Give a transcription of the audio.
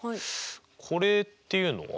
これっていうのは？